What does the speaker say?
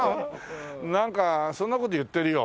なんかそんな事を言ってるよ。